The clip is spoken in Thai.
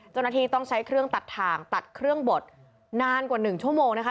เจ้าหน้าที่ต้องใช้เครื่องตัดถ่างตัดเครื่องบดนานกว่า๑ชั่วโมงนะคะ